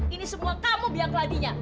ini semua kamu biar keladinya